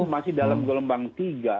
masih dalam golembang tiga